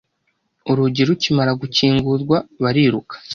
Urugi rukimara gukingurwa, bariruka.